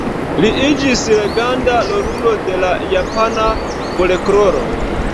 Li iĝis legenda rolulo de la japana folkloro.